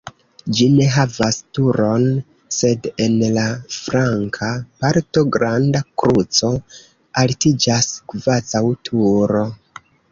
Ĝi ne havas turon, sed en la flanka parto granda kruco altiĝas kvazaŭ turo.